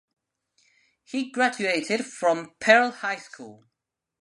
He graduated from Pearl High School.